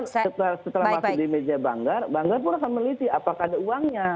setelah masuk di meja banggar banggar pun akan meneliti apakah ada uangnya